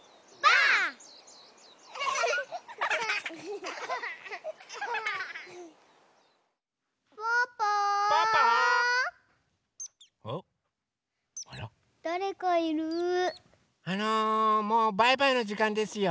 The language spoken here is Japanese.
あのもうバイバイのじかんですよ。